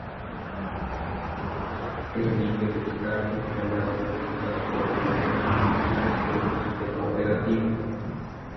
Permite buscar, instalar, actualizar o remover aplicaciones del sistema operativo.